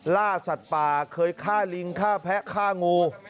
ล่าสัตว์ป่าเคยฆ่าลิงฆ่าแพะฆ่างู